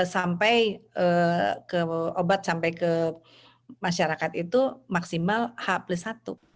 sampai ke obat sampai ke masyarakat itu maksimal h plus satu